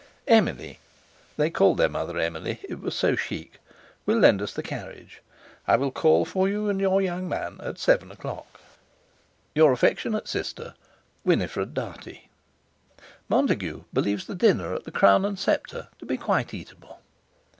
"Emily (they called their mother Emily—it was so chic) will lend us the carriage. I will call for you and your young man at seven o'clock. "Your affectionate sister, "WINIFRED DARTIE. "Montague believes the dinner at the Crown and Sceptre to be quite eatable."